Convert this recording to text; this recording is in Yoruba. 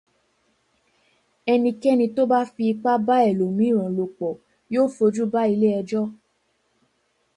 Ẹnikẹ́ni tó bá fi ipá bá ẹlòmíràn lò pọ̀ yóò fojú ba ilé ẹjọ́